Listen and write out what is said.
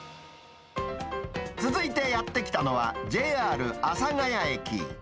続いてやって来たのは、ＪＲ阿佐ヶ谷駅。